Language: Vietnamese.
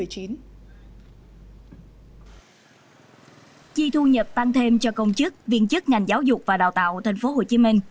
chi thu nhập tăng thêm cho công chức viên chức ngành giáo dục và đào tạo tp hcm